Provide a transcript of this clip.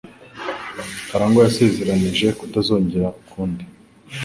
Karangwa yasezeranije kutazongera ukundi.